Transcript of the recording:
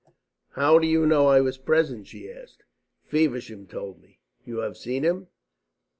"How do you know that I was present?" she asked. "Feversham told me." "You have seen him?"